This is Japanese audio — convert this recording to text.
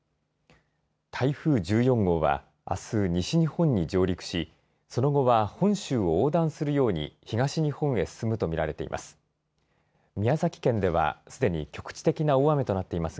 台風１４号はあす西日本に上陸しその後は、本州を横断するように東日本へ進むとみられています。